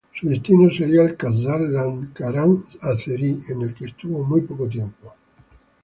Su destino sería el Khazar Lankaran azerí en el que estuvo muy poco tiempo.